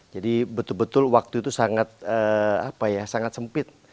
jadi betul betul waktu itu sangat apa ya sangat sempit